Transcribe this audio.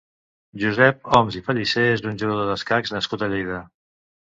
Josep Oms i Pallisé és un jugador d'escacs nascut a Lleida.